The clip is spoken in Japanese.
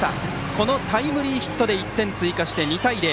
このタイムリーヒットで１点を追加して２対０。